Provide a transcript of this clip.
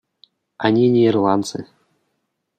Они не ирландцы.